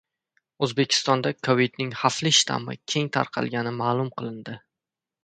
O‘zbekistonda kovidning xavfli shtammi keng tarqalgani ma’lum qilindi